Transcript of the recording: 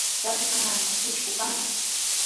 Wasi hanantraw pishqu kantan.